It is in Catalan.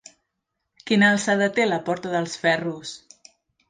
Quina alçada té la Porta dels Ferros?